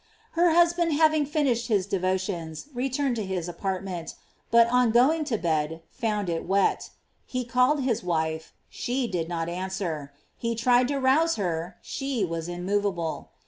Her husband having finished his devo tioni, returned to his apartment, but. on going GLORIES OF MARY. 125 to bed, found it wet. He called his wife; she did not answer: he tried to arouse her; she was immovable.